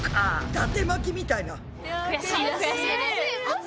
だて巻きみたいな。